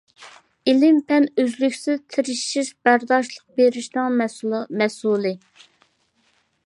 ئىلىم-پەن ئۆزلۈكسىز تىرىشىش، بەرداشلىق بېرىشنىڭ مەھسۇلى.